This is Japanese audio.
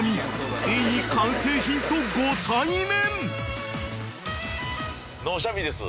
ついに完成品とご対面］